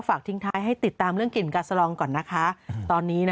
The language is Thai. ทิ้งท้ายให้ติดตามเรื่องกลิ่นกาสลองก่อนนะคะตอนนี้